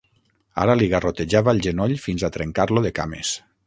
Ara li garrotejava el genoll fins a trencar-lo de cames.